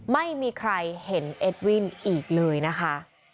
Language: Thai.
ไม่มีใครเห็นเอ็ดวินอีกเลยนะคะ